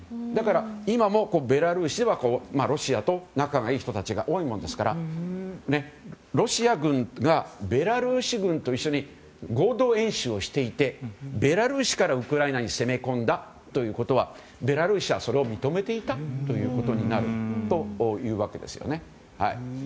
だから、今もベラルーシではロシアと仲がいい人が多いもんですからロシア軍がベラルーシ軍と一緒に合同演習をしていてベラルーシからウクライナに攻め込んだということはベラルーシは、それを認めていたということになるというわけですよね。